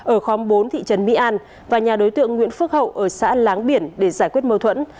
ở khóm bốn thị trấn mỹ an và nhà đối tượng nguyễn phước hậu ở xã láng biển để giải quyết mâu thuẫn